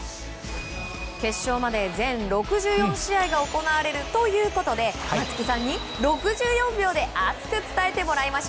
決勝まで全６４試合が行われるということで松木さんに６４秒で熱く伝えてもらいます。